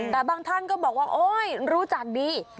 แต่บางท่านก็บอกว่าโอ๊ยรู้จักดี